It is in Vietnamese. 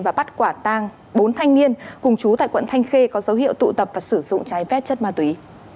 và bắt quả tang bốn thanh niên cùng chú tại quận thanh khê có dấu hiệu tụ tập và sử dụng trái phép chất ma túy